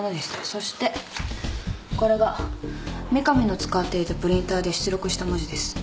そしてこれが三上の使っていたプリンターで出力した文字です。